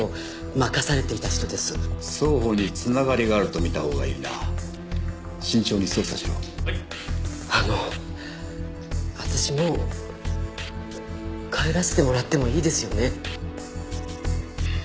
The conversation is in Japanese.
双方につながりがあると見たほうがいいな慎重に捜査しろはいあのあたしもう帰らせてもらってもいいですよね